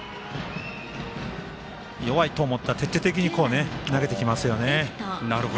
弱いと思ったら徹底的に投げてきますよね。